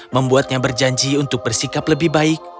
membuatnya berjanji untuk bersikap lebih baik